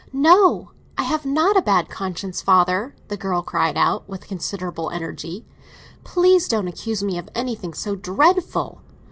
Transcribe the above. "No, I have not a bad conscience, father!" the girl cried out, with considerable energy. "Please don't accuse me of anything so dreadful."